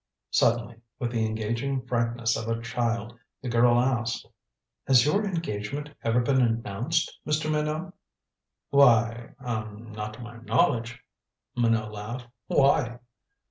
Suddenly, with the engaging frankness of a child, the girl asked: "Has your engagement ever been announced, Mr. Minot?" "Why er not to my knowledge," Minot laughed. "Why?"